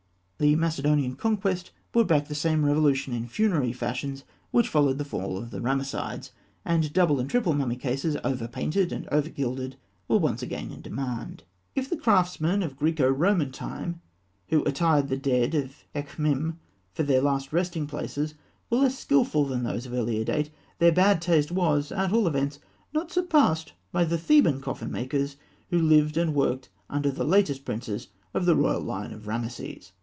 The Macedonian conquest brought back the same revolution in funerary fashions which followed the fall of the Ramessides, and double and triple mummy cases, over painted and over gilded, were again in demand. If the craftsmen of Graeco Roman time who attired the dead of Ekhmîm for their last resting places were less skilful than those of earlier date, their bad taste was, at all events, not surpassed by the Theban coffin makers who lived and worked under the latest princes of the royal line of Rameses.